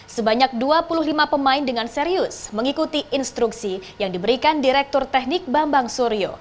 sebanyak dua puluh lima pemain dengan serius mengikuti instruksi yang diberikan direktur teknik bambang suryo